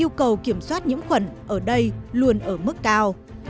yêu cầu kiểm soát nhiễm khuẩn ở đây luôn ở mức cao